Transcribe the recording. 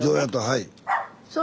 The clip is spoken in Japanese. はい。